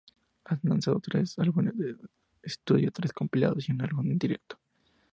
Han lanzado trece álbumes de estudio, tres compilados y un álbum en directo.